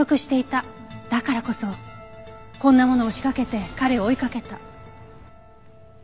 だからこそこんなものを仕掛けて彼を追いかけた。